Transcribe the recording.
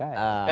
jadi ya salah